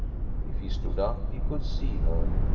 If he stood up, he could see her.